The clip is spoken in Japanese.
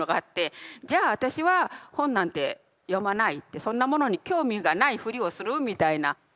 じゃあ私は本なんて読まないってそんなものに興味がないふりをするみたいな。